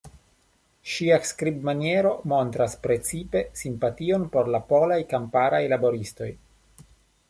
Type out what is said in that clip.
Ŝia skribmaniero montras precipe simpation por la polaj kamparaj laboristoj.